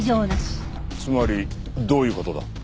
つまりどういう事だ？